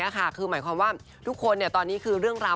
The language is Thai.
คือหมายความว่าทุกคนตอนนี้คือเรื่องราว